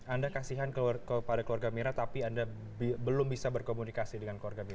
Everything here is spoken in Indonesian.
anda kasihan kepada keluarga mirna tapi anda belum bisa berkomunikasi dengan keluarga mira